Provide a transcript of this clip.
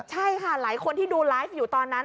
ใช่ค่ะหลายคนที่ดูไลฟ์อยู่ตอนนั้น